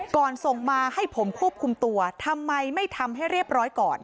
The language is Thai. ส่งมาให้ผมควบคุมตัวทำไมไม่ทำให้เรียบร้อยก่อน